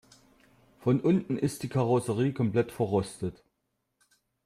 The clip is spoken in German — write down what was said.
Von unten ist die Karosserie komplett verrostet.